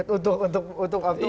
untuk sebagai alasan alibi